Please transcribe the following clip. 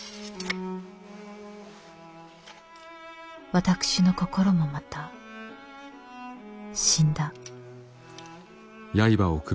「私の心もまた死んだ」。